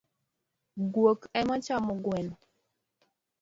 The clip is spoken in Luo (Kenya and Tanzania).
Guok emaochamo gweno.